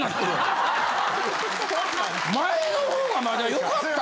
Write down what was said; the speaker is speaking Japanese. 前の方がまだ良かった。